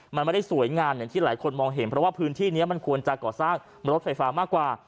มันไม่ได้สวยงามอย่างที่หลายคนมองเห็นเพราะว่าพื้นที่นี้มันควรจะก่อสร้างรถไฟฟ้ามากกว่า